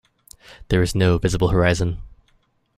There is no visible horizon.